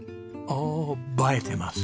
お映えてます。